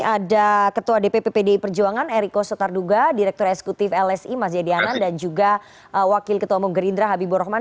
ada ketua dpp pdi perjuangan eriko sotarduga direktur eksekutif lsi mas jayadi hanan dan juga wakil ketua umum gerindra habibur rahman